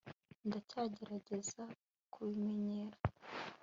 ndacyagerageza kubimenyera